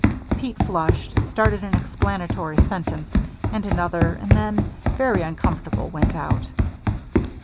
Pete flushed, started an explanatory sentence, and another, and then, very uncomfortable, went out.